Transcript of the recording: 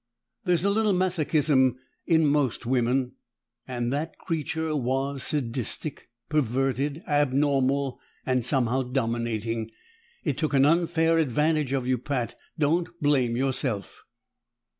There's a little masochism in most women, and that creature was sadistic, perverted, abnormal, and somehow dominating. It took an unfair advantage of you, Pat; don't blame yourself."